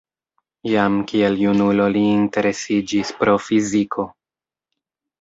Jam kiel junulo li interesiĝis pro fiziko.